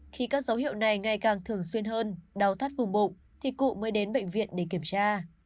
khi các dấu hiệu này ngày càng thường xuyên hơn đau thắt vùng bụng thì cụ mới đến bệnh viện để kiểm tra